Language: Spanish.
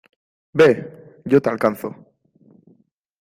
¡ Ve! ¡ yo te alcanzo !